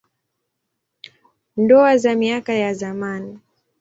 Ndoa za miaka ya zamani.